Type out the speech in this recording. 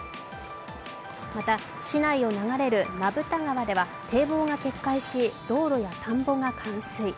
また、市内を流れる名蓋川では堤防が決壊し、道路や田んぼが冠水。